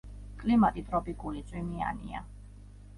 კლიმატი ტროპიკული, წვიმიანია.